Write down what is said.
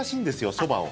そばを。